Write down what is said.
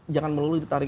jangan melulu ditarik